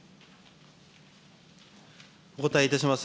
お答えいたします。